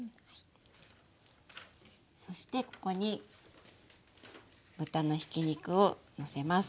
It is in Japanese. そしてここに豚のひき肉をのせます。